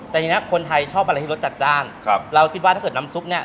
แต่ทีนี้คนไทยชอบอะไรที่รสจัดจ้านครับเราคิดว่าถ้าเกิดน้ำซุปเนี้ย